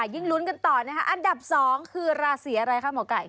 ยิ่งลุ้นกันต่อนะคะอันดับ๒คือราศีอะไรคะหมอไก่